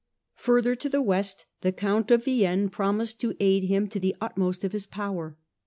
Further to the west the Count of Vienne promised to aid him to the utmost of his power.